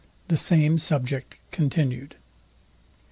THE SAME SUBJECT CONTINUED.